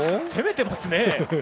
攻めてますね。